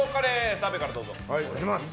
澤部からどうぞ。